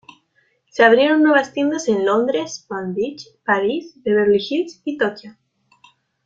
Se abrieron nuevas tiendas en Londres, Palm Beach, Paris, Beverly Hills y Tokyo.